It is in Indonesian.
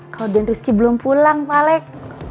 kalau deng rizky belum pulang pak alec